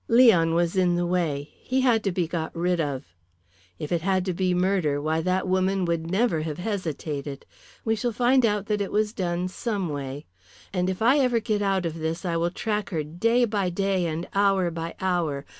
"Leon was in the way; he had to be got rid of. If it had to be murder, why that woman would never have hesitated. We shall find out that it was done some way. And if ever I get out of this I will track her day by day and hour by hour.